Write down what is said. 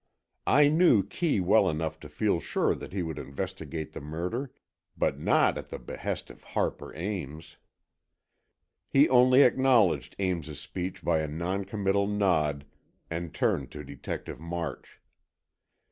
I knew Kee well enough to feel sure that he would investigate the murder, but not at the behest of Harper Ames. He only acknowledged Ames's speech by a noncommittal nod and turned to Detective March.